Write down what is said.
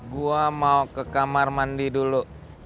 gue mau ke kamar mandi dulu